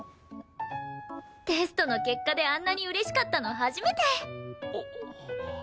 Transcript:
テストの結果であんなに嬉しかったの初めて。